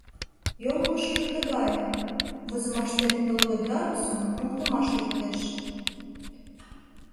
Йоҥылышыжо тыгае: возымаштет «нылле градусым» моктымаш лектеш.